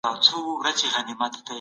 افغان سوداګر د وینا بشپړه ازادي نه لري.